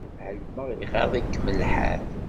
Ɛelmeɣ iɣaḍ-ikem lḥal.